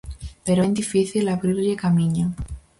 Pero ben difícil abrirlle camiño.